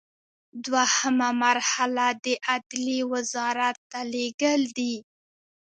دوهمه مرحله د عدلیې وزارت ته لیږل دي.